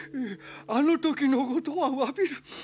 あの時のことはわびる！